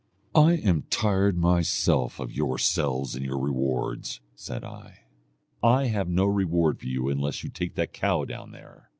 'I am tired myself of yourselves and your rewards,' said I. 'I have no reward for you unless you take that cow down there.'